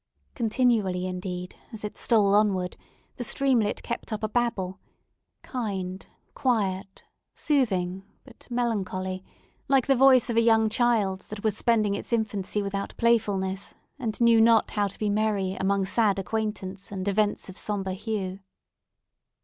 Continually, indeed, as it stole onward, the streamlet kept up a babble, kind, quiet, soothing, but melancholy, like the voice of a young child that was spending its infancy without playfulness, and knew not how to be merry among sad acquaintance and events of sombre hue.